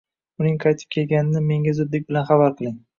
uning qaytib kelganini menga zudlik bilan xabar qiling.